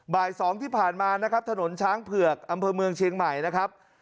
บ่าย๒ที่ผ่านมานะครับถนนช้างเผือกอำเภอเมืองเชียงใหม่นะครับ